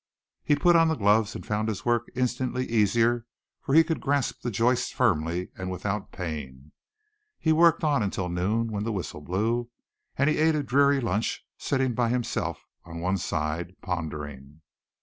He put on the gloves and found his work instantly easier for he could grasp the joists firmly and without pain. He worked on until noon when the whistle blew and he ate a dreary lunch sitting by himself on one side, pondering.